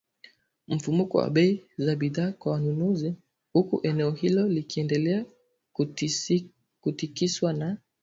mfumuko wa bei za bidhaa kwa wanunuzi, uku eneo hilo likiendelea kutikiswa na